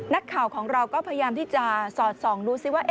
นักข่าวของเราก็พยายามที่จะสอดส่องดูซิว่า